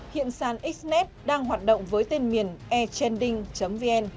hiện sản xnet đang hoạt động với tên miền echending vn